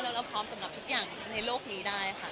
เราพร้อมสำหรับทุกอย่างในโลกนี้ได้ค่ะ